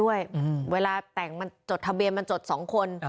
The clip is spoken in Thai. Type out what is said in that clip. เวลาแต่งมันจดทะเบียนมันจด๒คน